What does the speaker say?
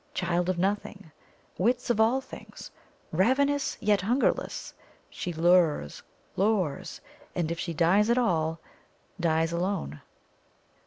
Child of nothing, wits of all things, ravenous yet hungerless, she lures, lures, and if she die at all, dies alone.